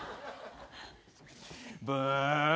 ブーン。